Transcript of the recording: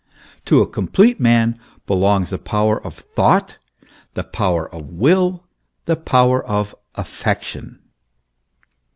To a complete man belong the power of thought, the power of will, the power of affection.